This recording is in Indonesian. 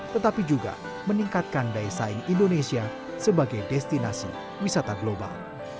tetapi juga meningkatkan daesah indonesia sebagai destinasi wisata global